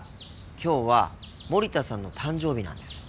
きょうは森田さんの誕生日なんです。